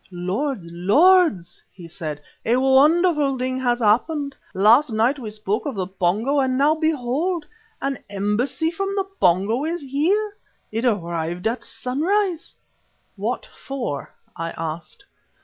"Lords, lords," he said, "a wonderful thing has happened! Last night we spoke of the Pongo and now behold! an embassy from the Pongo is here; it arrived at sunrise." "What for?" I asked.